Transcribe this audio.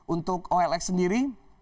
untuk olx sendiri